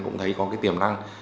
cũng thấy có cái tiềm năng